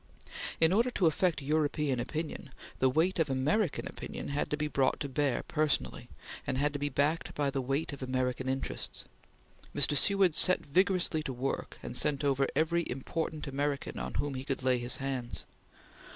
In order to affect European opinion, the weight of American opinion had to be brought to bear personally, and had to be backed by the weight of American interests. Mr. Seward set vigorously to work and sent over every important American on whom he could lay his hands.